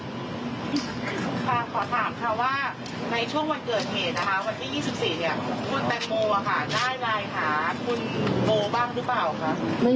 คุณแตงโมค่ะได้รายหาคุณโมบ้างรึเปล่าคะ